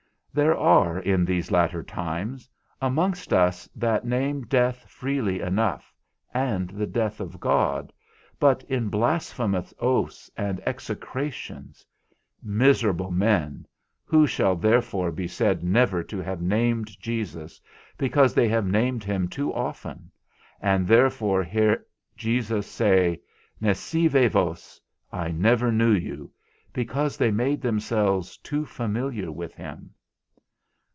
There are in these latter times amongst us that name death freely enough, and the death of God, but in blasphemous oaths and execrations. Miserable men, who shall therefore be said never to have named Jesus, because they have named him too often; and therefore hear Jesus say, Nescivi vos, I never knew you, because they made themselves too familiar with him.